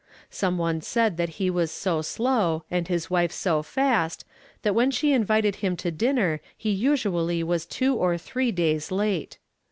Some one said that he was so slow and his wife so fast that when she invited him to dinner he usually was two or three days late.